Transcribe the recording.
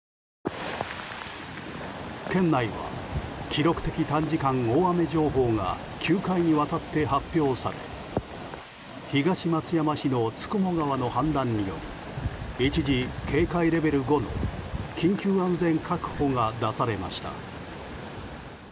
県内は記録的短時間大雨情報が９回にわたって発表され東松山市の九十九川の氾濫により一時警戒レベル５の緊急安全確保が出されました。